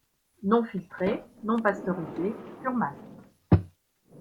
Non filtrée, non pasteurisée, pur malt.